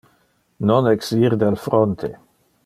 Non exir del fronte.